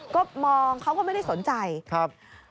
ก็มองเขาก็ไม่ได้สนใจครับ